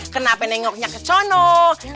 kenapa nengoknya keconok